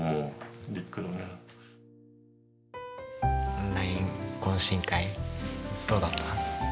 オンライン懇親会どうだった？